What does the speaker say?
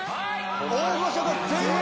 大御所が全員。